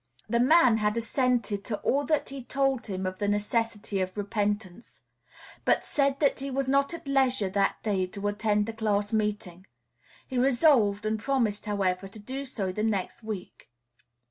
The man had assented to all that he told him of the necessity of repentance; but said that he was not at leisure that day to attend the class meeting. He resolved and promised, however, to do so the next week.